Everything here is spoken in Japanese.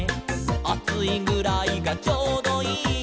「『あついぐらいがちょうどいい』」